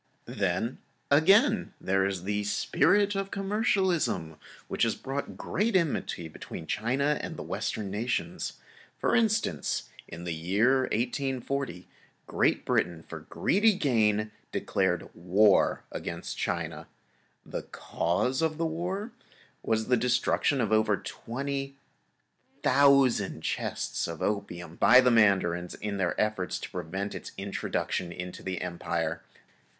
Then, again, there is the spirit of commercialism which has caused great enmity between China and the Western nations. For instance, in the year 1840, Great Britain, for greedy gain declared war against[Pg 172] China. The cause of the war was the destruction of over 20,000 chests of opium by the mandarins in their efforts to prevent its introduction into the Empire.